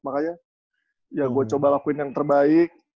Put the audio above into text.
makanya ya gue coba lakuin yang terbaik